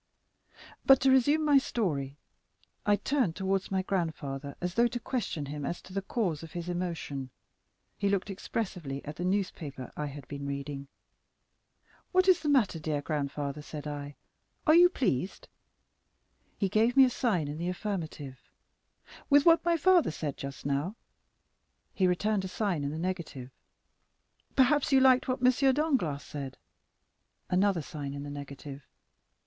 But to resume my story; I turned towards my grandfather, as though to question him as to the cause of his emotion; he looked expressively at the newspaper I had been reading. 'What is the matter, dear grandfather?' said I, 'are you pleased?' He gave me a sign in the affirmative. 'With what my father said just now?' He returned a sign in the negative. 'Perhaps you liked what M. Danglars said?' Another sign in the negative.